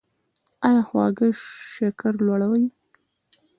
ایا خواږه شکر لوړوي؟